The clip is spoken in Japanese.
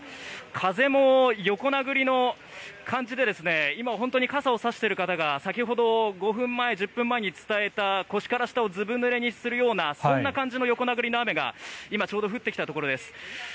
風も横殴りの感じで今、傘を差している方が先ほど５分前、１０分前に伝えた腰から下をずぶぬれにするようなそんな感じの横殴りの雨が今、ちょうど降ってきたところです。